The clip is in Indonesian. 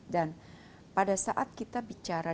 dan pada saat kita bicara